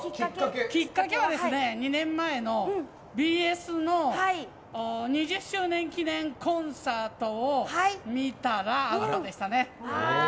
きっかけは２年前のＢＳの２０周年記念コンサートを見たらアウトでしたね。